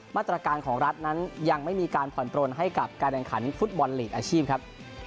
มาตรการของรัฐนั้นยังไม่มีการผ่อนปลนให้กับการแข่งขันฟุตบอลลีกอาชีพครับ